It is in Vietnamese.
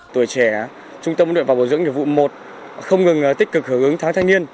tuổi trẻ trung tâm nguyên vật bổ dưỡng nhiệm vụ một không ngừng tích cực hưởng ứng tháng thanh niên